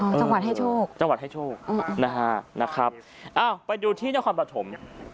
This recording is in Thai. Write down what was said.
จังหวัดให้โชคจังหวัดให้โชคอืมนะฮะนะครับอ้าวไปดูที่นครปฐม